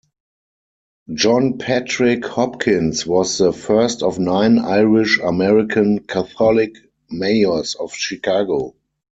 John Patrick Hopkins was the first of nine Irish American Catholic mayors of Chicago.